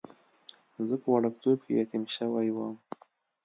زه په وړکتوب کې یتیم شوی وم.